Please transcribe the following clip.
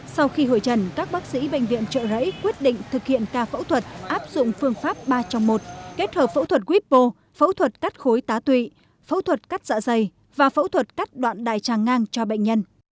sau khi hồi trần các bác sĩ bệnh viện trợ rẫy quyết định thực hiện ca phẫu thuật áp dụng phương pháp ba trong một kết hợp phẫu thuật quýt bô phẫu thuật cắt khối tá tụy phẫu thuật cắt dạ dày và phẫu thuật cắt đoạn đài tràng ngang cho bệnh nhân